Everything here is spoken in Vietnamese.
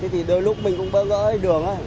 thì đôi lúc mình cũng bớt rỡ đường thôi